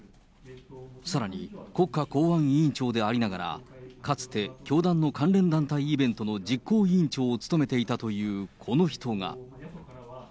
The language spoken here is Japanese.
さらに、国家公安委員長でありながら、かつて、教団の関連団体イベントの実行委員長を務めていたというこの人が。